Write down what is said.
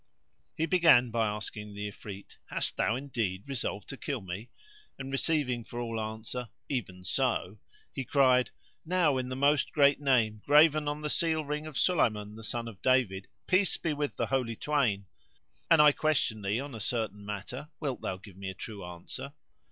"[FN#74] He began by asking the Ifrit, "Hast thou indeed resolved to kill me?" and, receiving for all answer, "Even so," he cried, "Now in the Most Great Name, graven on the seal ring of Sulayman the Son of David (peace be with the holy twain!), an I question thee on a certain matter wilt thou give me a true answer?"